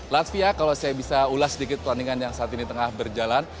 latvia kalau saya bisa ulas sedikit pertandingan yang saat ini tengah berjalan